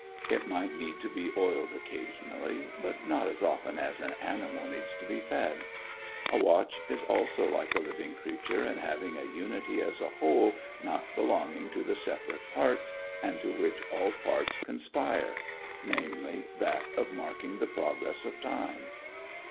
It might need to be oiled occasionally, but not as often as an animal needs to be fed. A watch is also like a living creature in having a unity as a whole not belonging to the separate parts, and to which all parts conspire, namely, that of marking the progress of time.